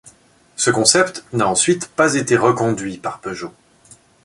Ce concept n'a ensuite pas été reconduit par Peugeot.